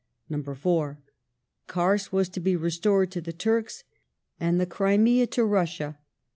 iv. Kars was to be restored to the Turks, and the Crimea to Russia.